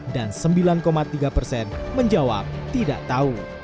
dan sembilan tiga persen menjawab tidak tahu